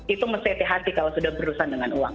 itu mesti hati hati kalau sudah berurusan dengan uang